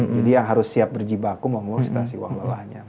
jadi yang harus siap berjibaku mau meluasinasi uang lelahnya